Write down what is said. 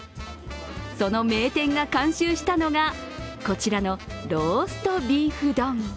その名店が監修したのが、こちらのローストビーフ丼。